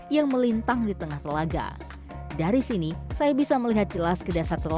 yang melintang di tengah telaga dari sini saya bisa melihat jelas ke dasar telaga